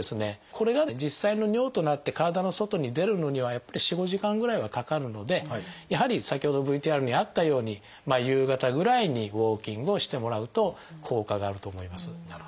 これが実際の尿となって体の外に出るのには４５時間ぐらいはかかるのでやはり先ほどＶＴＲにあったように夕方ぐらいにウォーキングをしてもらうと効果があると思います。